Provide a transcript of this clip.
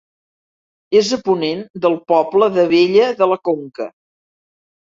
És a ponent del poble d'Abella de la Conca.